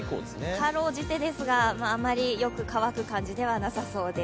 辛うじてですが、あまりよく乾く感じではなさそうです。